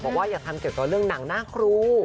อย่าทำเกี่ยวกับเรื่องหนังหน้าครู